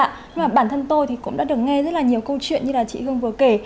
nhưng mà bản thân tôi thì cũng đã được nghe rất là nhiều câu chuyện như là chị hương vừa kể